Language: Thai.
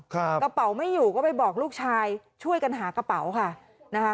กระเป๋าไม่อยู่ก็ไปบอกลูกชายช่วยกันหากระเป๋าค่ะนะคะ